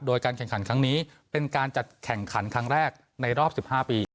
โดยการแข่งขันครั้งนี้เป็นการจัดแข่งขันครั้งแรกในรอบ๑๕ปี